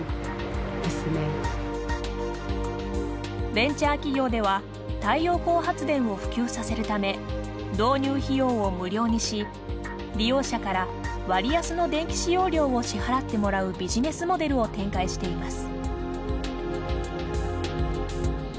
ベンチャー企業では太陽光発電を普及させるため導入費用を無料にし利用者から割安の電気使用料を支払ってもらうビジネスモデルを展開しています。